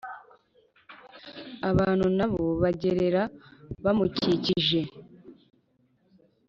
abantu na bo bagerera bamukikije.